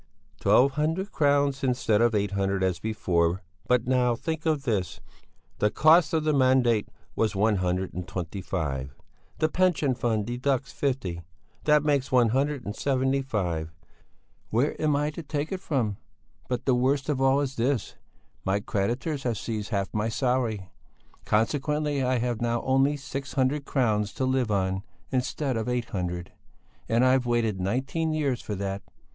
"Twelve hundred crowns instead of eight hundred as before. But now, think of this: the cost of the mandate was one hundred and twenty five; the pension fund deducts fifty; that makes one hundred and seventy five. Where I am to take it from? But the worst of it all is this: my creditors have seized half my salary; consequently I have now only six hundred crowns to live on instead of eight hundred and I've waited nineteen years for that.